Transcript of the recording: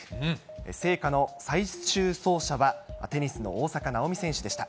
聖火の最終走者は、テニスの大坂なおみ選手でした。